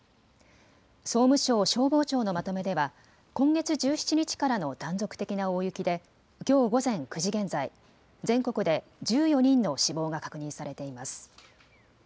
総務省消防庁のまとめでは今月１７日からの断続的な大雪できょう午前９時現在、全国で１４人の死亡が確認されています。